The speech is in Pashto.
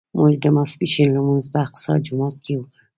موږ د ماسپښین لمونځ په اقصی جومات کې وکړ.